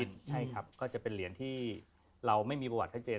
ใช่ครับก็จะเป็นเหรียญที่เราไม่มีประวัติชัดเจน